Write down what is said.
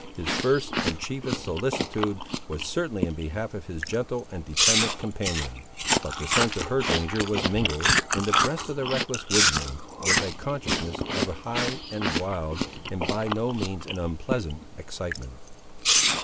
His first and chiefest solicitude was certainly in behalf of his gentle and dependent companion; but the sense of her danger was mingled, in the breast of the reckless woodsman, with a consciousness of a high and wild, and by no means an unpleasant, excitement.